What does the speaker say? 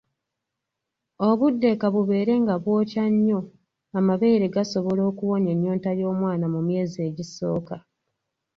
Obudde ka bubeere nga bwokya nnyo, amabeere gasobola okuwonya ennyonta y'omwana mu myezi egisooka.